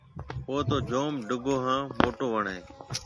او تو جوم ڊگھو هانَ موٽو وڻ هيَ۔